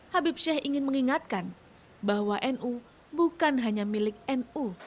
habib sheikh ingin mengingatkan bahwa nu bukan hanya milik nu